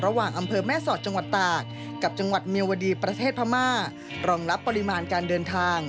อำเภอแม่สอดจังหวัดตากกับจังหวัดเมียวดีประเทศพม่ารองรับปริมาณการเดินทาง